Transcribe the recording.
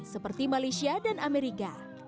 seperti malaysia dan amerika